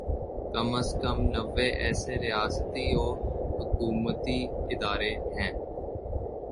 کم از کم نوے ایسے ریاستی و حکومتی ادارے ہیں